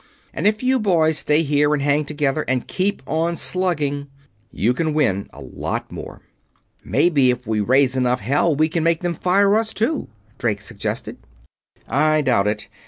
And if you boys stay here and hang together and keep on slugging you can win a lot more." "Maybe, if we raise enough hell, we can make them fire us, too?" Drake suggested. "I doubt it.